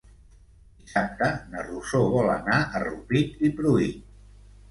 Dissabte na Rosó vol anar a Rupit i Pruit.